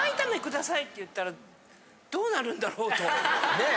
ねえ！